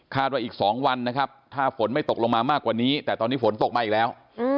ว่าอีก๒วันนะครับถ้าฝนไม่ตกลงมามากกว่านี้แต่ตอนนี้ฝนตกมาอีกแล้ว